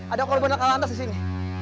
ada kolbon akal lantas di sini